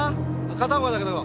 片岡だけど。